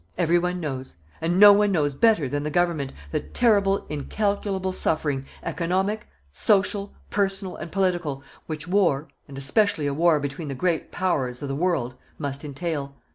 Every one knows, and no one knows better than the Government the terrible incalculable suffering, economic, social, personal and political, which war, and especially a war between the Great Powers of the world must entail.